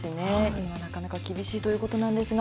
今、なかなか厳しいということなんですが。